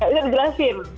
gak bisa dijelasin